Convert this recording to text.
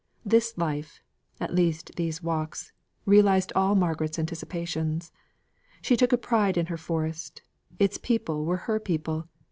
This life at least these walks realised all Margaret's anticipations. She took a pride in her forest. Its people were her people.